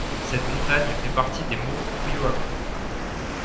Cette montagne fait partie des monts Ryōhaku.